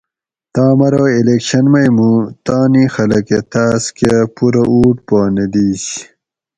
تم ارو الیکشن مئ مُوں تانی خلک اۤ تاۤس کہ پورہ اُوٹ پا نہ دِیش